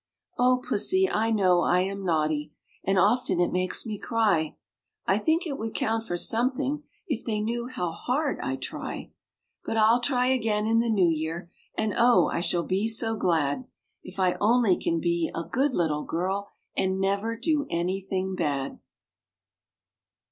Oh, Pussy! I know I am naughty, And often it makes me cry: I think it would count for something, If they knew how hard I try. But I'll try again in the new year, And oh! I shall be so glad If I only can be a good little girl, And never do anything bad!